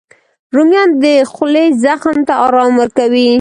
رومیان د خولې زخم ته ارام ورکوي